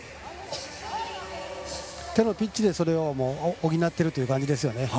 手のピッチで、それを補っているという感じですよね。